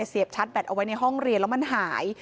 เสียบชาร์จแบตเอาไว้ในห้องเรียนแล้วมันหาย